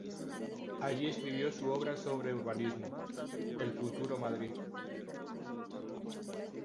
Allí escribió su obra sobre urbanismo "El Futuro Madrid".